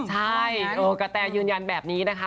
ใช่กระแตยืนยันแบบนี้นะคะ